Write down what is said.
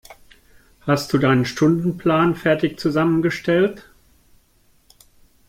Hast du deinen Stundenplan fertig zusammengestellt?